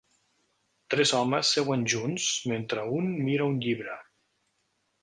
Tres homes seuen junts mentre un mira un llibre.